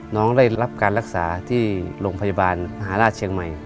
ได้รับการรักษาที่โรงพยาบาลมหาราชเชียงใหม่